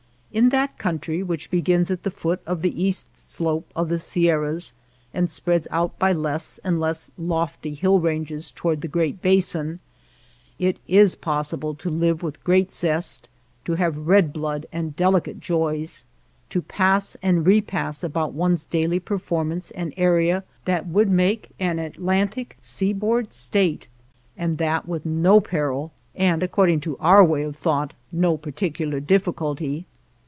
In that country which begins at the foot of the east slope of the Sierras and spreads out by less and less lofty hill ranges toward the Great Basin, it is possible to live with great zest, to have red blood and delicate joys, to pass and repass about one's daily performance an area that would make an Atlantic seaboard State, and that with no peril, and, according to our way of thought, no particular difficulty.